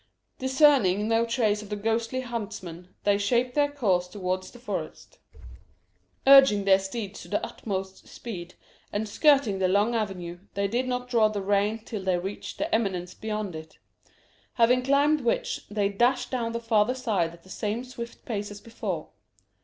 Discerning no trace of the ghostly huntsman, they shaped their course towards the forest. Urging their steeds to their utmost speed, and skirting the long avenue, they did not draw the rein till they reached the eminence beyond it; having climbed which, they dashed down the farther side at the same swift pace as before.